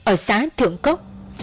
ở xã thư cốc